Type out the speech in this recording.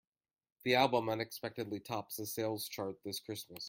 The album unexpectedly tops the sales chart this Christmas.